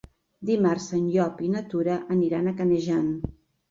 Dimarts en Llop i na Tura aniran a Canejan.